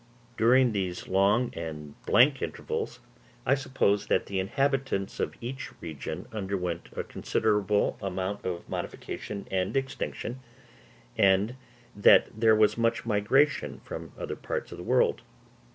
During these long and blank intervals I suppose that the inhabitants of each region underwent a considerable amount of modification and extinction, and that there was much migration from other parts of the world.